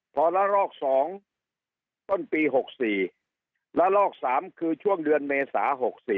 พอละลอก๒ต้นปี๖๔และลอก๓คือช่วงเดือนเมษา๖๔